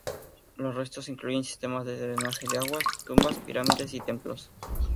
Los restos incluyen sistemas de drenaje de aguas, tumbas, pirámides y templos.